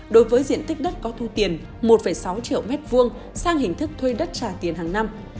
đối với diện tích đất có thu tiền một sáu triệu m hai sang hình thức thuê đất trả tiền hàng năm